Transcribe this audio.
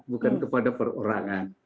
bukan kepada perorangan